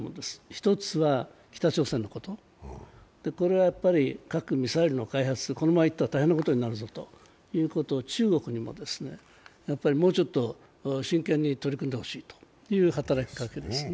１つは北朝鮮のこと、これは核・ミサイルの開発がこのままいったら大変なことになると、中国にももうちょっと真剣に取り組んでほしいという働きかけですね。